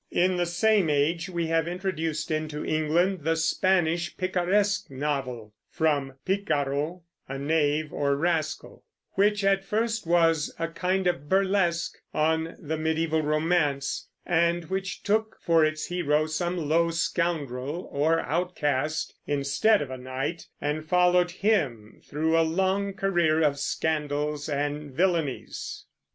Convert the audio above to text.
In the same age we have introduced into England the Spanish picaresque novel (from picaro, a knave or rascal), which at first was a kind of burlesque on the mediæval romance, and which took for its hero some low scoundrel or outcast, instead of a knight, and followed him through a long career of scandals and villainies.